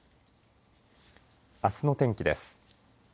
あすの天気です。